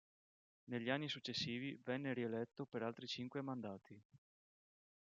Negli anni successivi venne rieletto per altri cinque mandati.